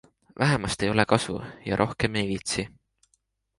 Vähemast ei ole kasu ja rohkem ei viitsi.